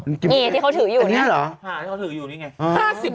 เออที่เขาถืออยู่ไหมที่เขาถืออยู่นี่ไง